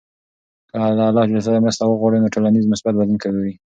که له الله ج سره مرسته وغواړو، نو ټولنیز مثبت بدلون ګورﻱ.